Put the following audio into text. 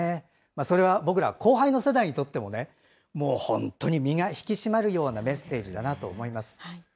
それは僕ら後輩の世代にとってもね、もう本当に身が引き締まるようなメッセージだなと思います。